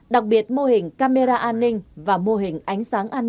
đặc biệt mô hình camera an ninh và mô hình